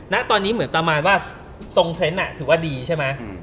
ณตอนนี้เหมือนประมาณว่าทรงเทรนด์ถือว่าดีใช่ไหม